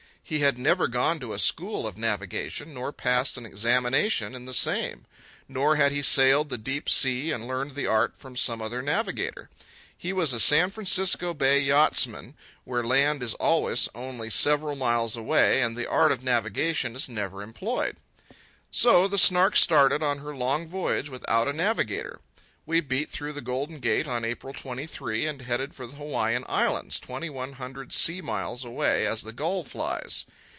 He had never gone to a school of navigation, nor passed an examination in the same; nor had he sailed the deep sea and learned the art from some other navigator. He was a San Francisco Bay yachtsman, where land is always only several miles away and the art of navigation is never employed. So the Snark started on her long voyage without a navigator. We beat through the Golden Gate on April 23, and headed for the Hawaiian Islands, twenty one hundred sea miles away as the gull flies.